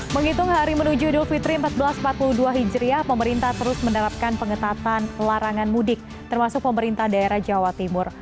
menghitung hari menuju idul fitri seribu empat ratus empat puluh dua hijriah pemerintah terus menerapkan pengetatan larangan mudik termasuk pemerintah daerah jawa timur